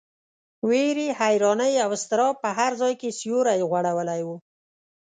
وېرې، حیرانۍ او اضطراب په هر ځای کې سیوری غوړولی و.